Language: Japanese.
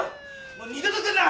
もう二度と来んな！